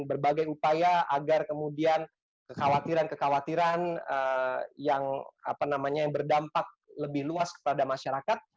berbagai upaya agar kemudian kekhawatiran kekhawatiran yang berdampak lebih luas kepada masyarakat